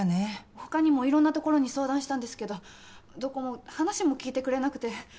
他にもいろんなところに相談したんですけどどこも話も聞いてくれなくて。